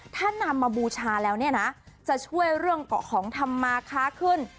ถ้านำมาบูชาแล้วเนี่ยนะจะช่วยเรื่องเกาะของธรรมาค้าขึ้น